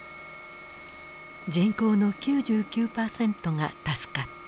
人口の９９％が助かった。